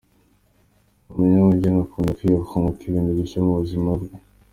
Ni umunyabugeni, akunda kwiga no kunguka ibintu bishya mu buzima bwe.